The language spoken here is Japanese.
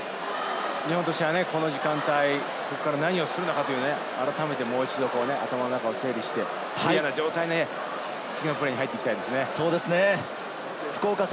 日本としてはこの時間帯、何をするのか、改めてもう一度、頭の中を整理して、クリアな状態で次のプレーに入っていきたいですね。